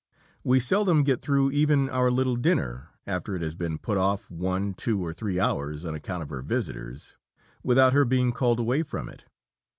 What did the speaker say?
We seldom get through even our little dinner (after it has been put off one, two, or three hours on account of her visitors), without her being called away from it.